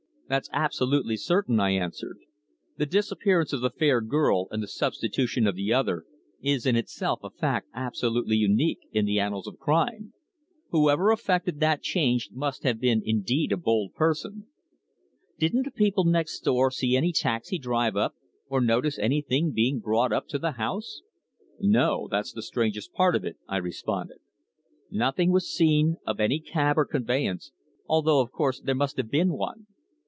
"That's absolutely certain," I answered. "The disappearance of the fair girl, and the substitution of the other, is in itself a fact absolutely unique in the annals of crime. Whoever effected that change must have been indeed a bold person." "Didn't the people next door see any taxi drive up, or notice anything being brought up to the house?" "No. That's the strangest part of it," I responded. "Nothing was seen of any cab or conveyance, although, of course, there must have been one."